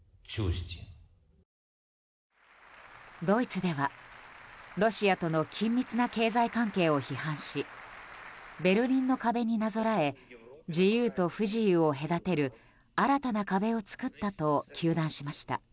ドイツでは、ロシアとの緊密な経済関係を批判しベルリンの壁になぞらえ自由と不自由を隔てる新たな壁を作ったと糾弾しました。